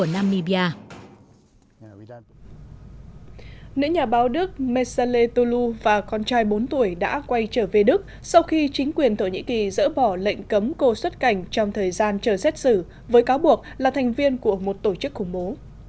nữ nhà báo đức messale tolu và con trai bốn tuổi đã quay trở về đức sau khi chính quyền thổ nhĩ kỳ dỡ bỏ lệnh cấm cô xuất cảnh trong thời gian chờ xét xử với cáo buộc là thành viên của một tổ chức khủng bố